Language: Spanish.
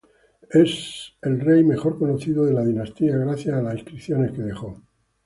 Es el rey mejor conocido de la dinastía, gracias a las inscripciones que dejó.